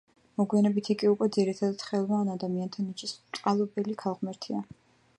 მოგვიანებით იგი უკვე ძირითადად ხელოვან ადამიანთა ნიჭის მწყალობელი ქალღმერთია.